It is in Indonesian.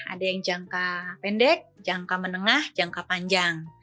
ada yang jangka pendek jangka menengah jangka panjang